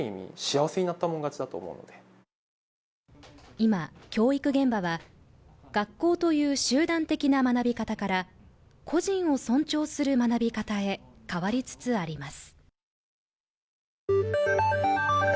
今、教育現場は、学校という集団的な学び方から、個人を尊重する学び方へ変わりつつあります。